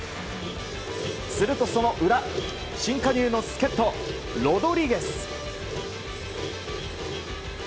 するとその裏、新加入の助っ人ロドリゲス。